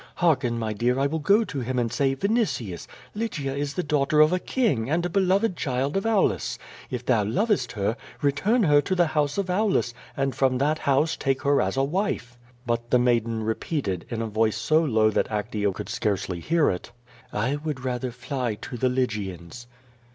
Ilearken, my dear, I will go to him and say: 'Vinitius, Lygia is the daughter of a king, and a beloved child of Aulus. If thou lovest her, return her to the house of Aulus, and from that house take her as a wife.' " But the maiden repeated, in a voice so low that Actea could scarcely hear it: "I would rather fly to the Lygians."